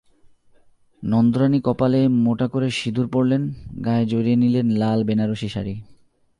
নন্দরানী কপালে মোটা করে সিঁদুর পরলেন, গায়ে জড়িয়ে নিলেন লাল বেনারসি শাড়ি।